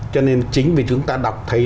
cho nên chính vì chúng ta đọc thấy